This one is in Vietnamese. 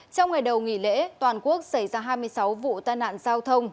trong ngày đầu nghỉ lễ toàn quốc xảy ra hai mươi sáu vụ tai nạn giao thông